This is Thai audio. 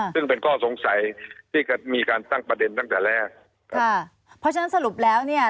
ซึ่งเป็นข้อสงสัยที่ก็มีการตั้งประเด็นตั้งแต่แรกครับค่ะเพราะฉะนั้นสรุปแล้วเนี่ย